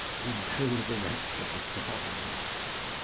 You know the rest of the song.